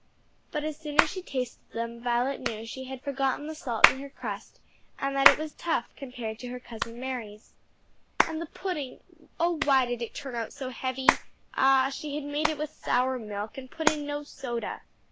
But as soon as she tasted them Violet knew she had forgotten the salt in her crust and that it was tough compared to her Cousin Mary's. And then the pudding! oh why did it turn out so heavy? Ah, she had made it with sour milk and put in no soda.